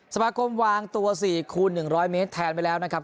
สมาคมวางตัว๔คูณ๑๐๐เมตรแทนไปแล้วนะครับ